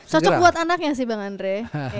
cocok buat anaknya sih bang andre